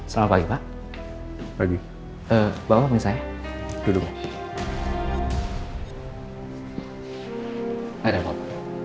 selamat pagi pak pagi bawa pengisahnya duduk